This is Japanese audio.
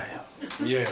いやいや。